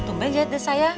tunggu aja deh saya